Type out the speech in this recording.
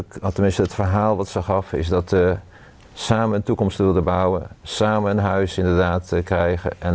กล้านาก่อนนะครับ